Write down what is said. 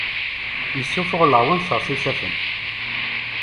Issufuɣ leɛwanser s isaffen.